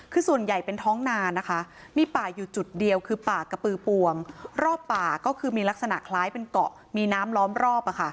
คือส่วนใหญ่เป็นท้องนานะคะมีป่าอยู่จุดเดียวคือป่ากระปือปวงรอบป่าก็คือมีลักษณะคล้ายเป็นเกาะมีน้ำล้อมรอบ